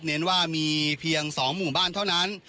เน้นว่ามีเพียง๒หมู่บ้านเท่านั้น